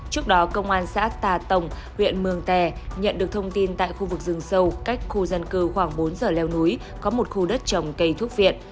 trước đó công an xã tà tổng huyện mường tè nhận được thông tin tại khu vực rừng sâu cách khu dân cư khoảng bốn giờ leo núi có một khu đất trồng cây thuốc viện